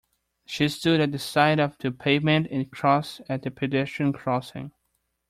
She stood at the side of the pavement, and crossed at the pedestrian crossing